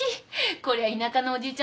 こりゃ田舎のおじいちゃん